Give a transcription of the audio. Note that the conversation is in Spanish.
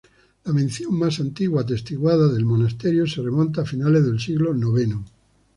La mención más antigua atestiguada del monasterio se remonta a finales del siglo noveno.